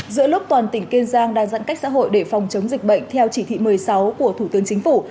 giữa lúc toàn tỉnh kiên giang đang giãn cách xã hội để phòng chống dịch bệnh theo chỉ thị một mươi sáu của thủ tướng chính phủ